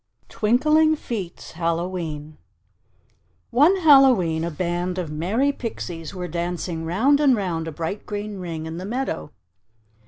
TWINKLING FEET'S HALLOWE'EN One Hallowe'en a band of merry pixies were dancing round and round a bright green ring in the meadow.